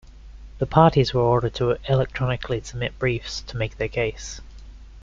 The parties were ordered to electronically submit briefs to make their case.